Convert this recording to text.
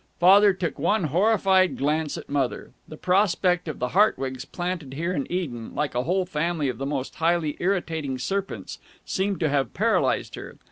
Father took one horrified glance at Mother. The prospect of the Hartwigs planted here in Eden, like a whole family of the most highly irritating serpents, seemed to have paralyzed her.